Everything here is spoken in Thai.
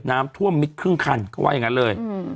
น้ำท่วมมิดครึ่งคันเขาว่าอย่างนั้นเลย